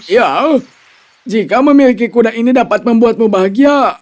ya jika memiliki kuda ini dapat membuatmu bahagia